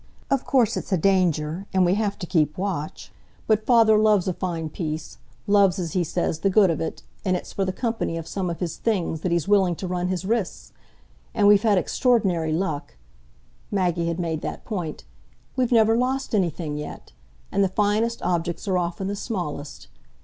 Of course it's a danger, and we have to keep watch. But father loves a fine piece, loves, as he says, the good of it, and it's for the company of some of his things that he's willing to run his risks. And we've had extraordinary luck" Maggie had made that point; "we've never lost anything yet. And the finest objects are often the smallest.